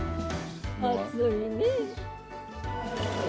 暑いねぇ。